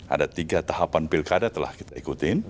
ada tiga tahapan pilkada telah kita ikutin